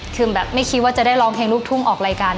คือแบบไม่คิดว่าจะได้ร้องเพลงลูกทุ่งออกรายการ